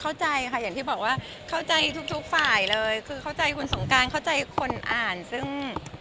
เข้าใจค่ะอย่างที่บอกว่าเข้าใจทุกฝ่ายเลยคือเข้าใจคุณสงการเข้าใจคนอ่านซึ่ง